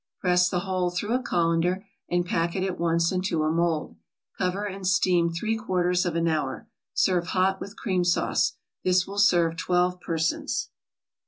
Press the whole through a colander, and pack it at once into a mold. Cover and steam three quarters of an hour. Serve hot with cream sauce. This will serve twelve persons.